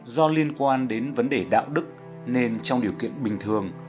do liên quan đến vấn đề đạo đức nên trong điều kiện bình thường